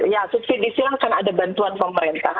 ya subsidi silang kan ada bantuan pemerintah